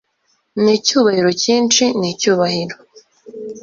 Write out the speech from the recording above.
Nicyubahiro cyinshi nicyubahiro